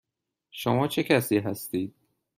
شما چه کسی هستید؟